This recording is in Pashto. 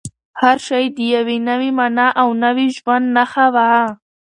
هر شی د یوې نوې مانا او نوي ژوند نښه وه.